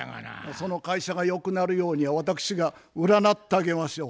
その会社がよくなるように私が占ってあげましょう。